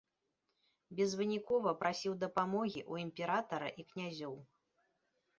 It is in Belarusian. Безвынікова прасіў дапамогі ў імператара і князёў.